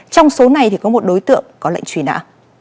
trong số này thì có một đối tượng có lệnh truy nã